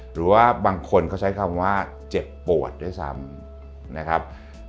หรือว่าบางคนเขาใช้คำว่าเจ็บปวดด้วยซ้ำนะครับ